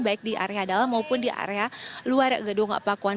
baik di area dalam maupun di area luar gedung pakuan